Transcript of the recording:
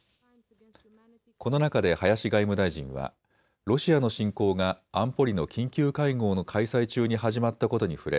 この中で林外務大臣はロシアの侵攻が安保理の緊急会合の開催中に始まったことに触れ